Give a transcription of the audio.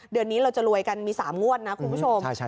เดือนนี้เราจะรวยกันมี๓งวดนะคุณผู้ชม